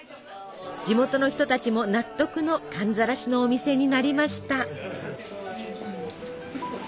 地元の人たちも納得の寒ざらしのお店になりました。